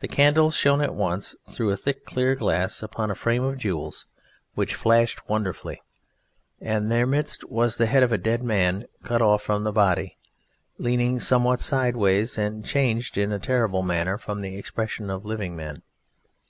The candles shone at once through thick clear glass upon a frame of jewels which flashed wonderfully, and in their midst was the head of a dead man, cut off from the body, leaning somewhat sideways, and changed in a terrible manner from the expression of living men.